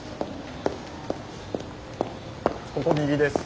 ここ右です。